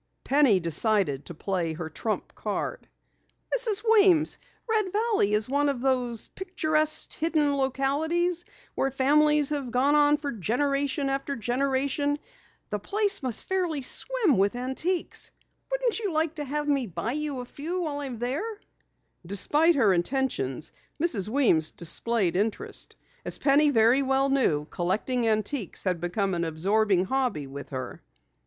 Penny decided to play her trump card. "Mrs. Weems, Red Valley is one of those picturesque hidden localities where families have gone on for generation after generation. The place must fairly swim with antiques. Wouldn't you like to have me buy a few for you while I'm there?" Despite her intentions, Mrs. Weems displayed interest. As Penny very well knew, collecting antiques had become an absorbing hobby with her.